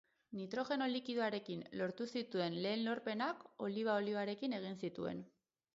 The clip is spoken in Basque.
Nitrogeno likidoarekin lortu zituen lehen lorpenak oliba olioarekin egin zituen.